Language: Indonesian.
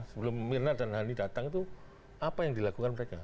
sebelum mirna dan hani datang itu apa yang dilakukan mereka